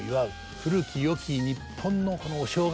古きよき日本のこのお正月。